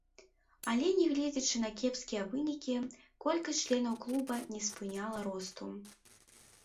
Але нягледзячы на кепскія вынікі, колькасць членаў клуба не спыняла росту.